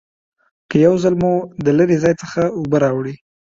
که یو ځل مو د لرې ځای څخه اوبه راوړي